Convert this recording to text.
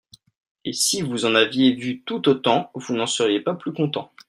Et si vous en aviez vu tout autant vous n'en seriez pas plus content.